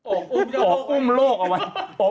ออกอมเจ้าโลก